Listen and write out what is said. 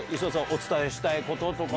お伝えしたいこととか。